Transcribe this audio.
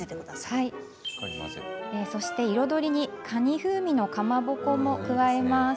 そして彩りにかに風味のかまぼこも加えます。